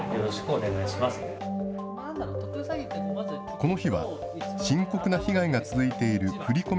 この日は、深刻な被害が続いている振り込め